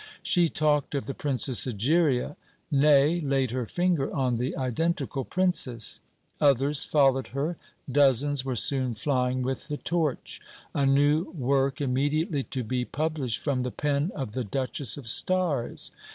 She talked of THE PRINCESS EGERIA: nay, laid her finger on the identical Princess. Others followed her. Dozens were soon flying with the torch: a new work immediately to be published from the pen of the Duchess of Stars!